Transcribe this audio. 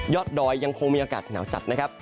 ดอยยังคงมีอากาศหนาวจัดนะครับ